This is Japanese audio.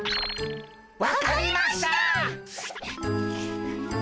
分かりましたっ！